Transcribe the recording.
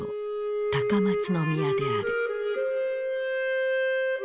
高松宮である。